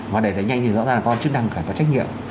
và để đẩy nhanh thì rõ ràng là con chức năng phải có trách nhiệm